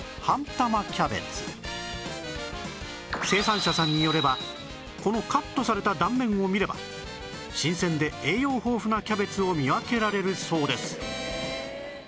生産者さんによればこのカットされた断面を見れば新鮮で栄養豊富なキャベツを見分けられるそうです